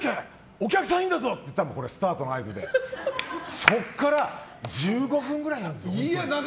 お客さんいんだぞっていうのがスタートの合図でそこから１５分ぐらいやるんです。